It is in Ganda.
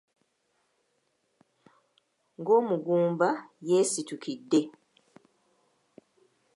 Ng’omugumba yeesitukidde.